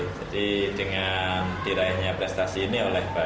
jadi dengan diraihnya prestasi ini